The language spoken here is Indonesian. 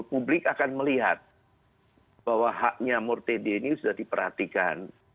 publik akan melihat bahwa haknya murti dini sudah diperhatikan